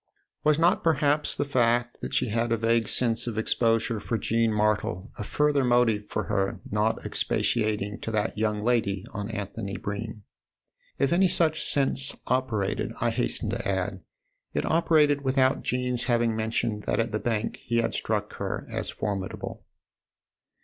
Was not perhaps the fact that she had a vague sense of exposure for Jean Martle a further motive for her not expatiating to that young lady on Anthony Bream ? If any such sense operated, I hasten to add, it operated without Jean's having mentioned that at the Bank he had struck her as formidable.